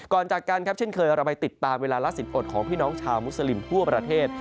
จากกันครับเช่นเคยเราไปติดตามเวลาละสินอดของพี่น้องชาวมุสลิมทั่วประเทศ